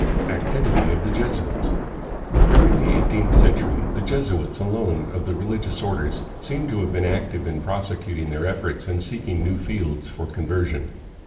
Activity of the Jesuits. During the eighteenth century the Jesuits alone of the religious orders seemed to have been active in prosecuting their efforts and seeking new fields for conversion.